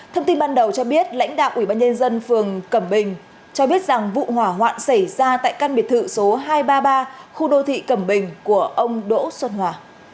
thông tin ban đầu cho biết lãnh đạo ủy ban nhân dân phường cẩm bình cho biết rằng vụ hỏa hoạn xảy ra tại căn biệt thự số hai trăm ba mươi ba khu đô thị cẩm bình của ông đỗ xuân hòa